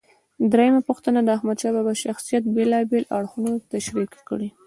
درېمه پوښتنه: د احمدشاه بابا د شخصیت بېلابېل اړخونه تشریح کړئ.